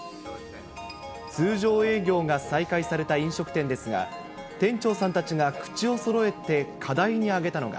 通常営業が再開された飲食店ですが、店長さんたちが口をそろえて課題に挙げたのが。